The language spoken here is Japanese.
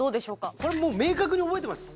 これもう明確に覚えてます。